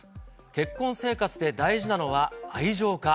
結婚生活で大事なのは、愛情か？